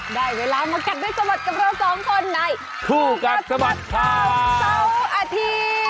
ได้เวลามากัดให้สะบัดกับเราสองคนในคู่กัดสะบัดข่าวเสาร์อาทิตย์